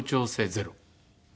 ゼロ？